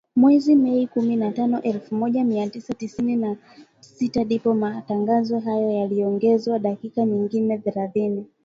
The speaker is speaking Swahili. Mwezi Mei kumi na tano elfu moja mia tisa sitini na sita ndipo matangazo hayo yaliongezewa dakika nyingine thelathini